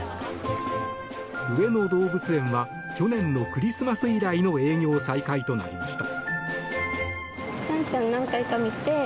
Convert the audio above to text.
上野動物園は去年のクリスマス以来の営業再開となりました。